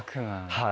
はい。